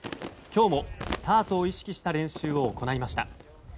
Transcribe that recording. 今日もスタートを意識した練習を行いました。